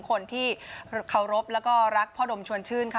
คนที่เคารพแล้วก็รักพ่อดมชวนชื่นค่ะ